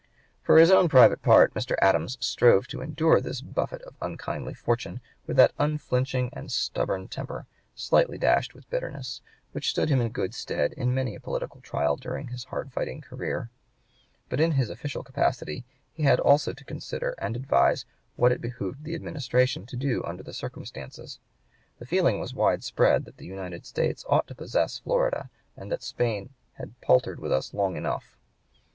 For his own private part Mr. Adams strove to endure this buffet (p. 118) of unkindly fortune with that unflinching and stubborn temper, slightly dashed with bitterness, which stood him in good stead in many a political trial during his hard fighting career. But in his official capacity he had also to consider and advise what it behooved the administration to do under the circumstances. The feeling was widespread that the United States ought to possess Florida, and that Spain had paltered with us long enough.